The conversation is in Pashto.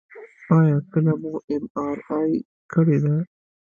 ایا کله مو ام آر آی کړې ده؟